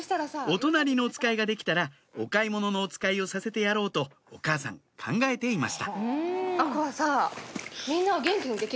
お隣のおつかいができたらお買い物のおつかいをさせてやろうとお母さん考えていました